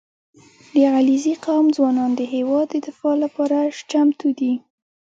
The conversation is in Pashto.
• د علیزي قوم ځوانان د هېواد د دفاع لپاره چمتو دي.